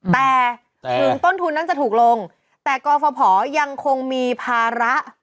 แต่ถึงต้นทุนนั้นจะถูกลงแต่กรฟภยังคงมีภาระ